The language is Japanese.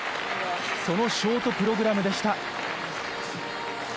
そのショートプログラムでした。